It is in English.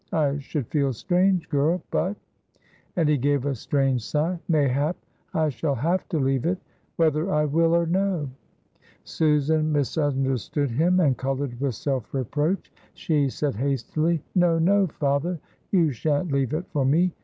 I should feel strange, girl; but" and he gave a strange sigh "mayhap I shall have to leave it whether I will or no." Susan misunderstood him and colored with self reproach. She said hastily: "No! no! Father, you shan't leave it for me.